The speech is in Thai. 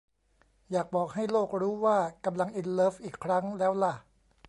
อยากบอกให้โลกรู้ว่ากำลังอินเลิฟอีกครั้งแล้วล่ะ